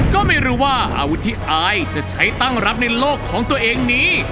ก็ไม่รู้ว่าอาวุธที่อายจะใช้ตั้งรับในโลกของตัวเองนี้